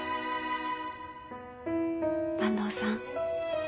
坂東さん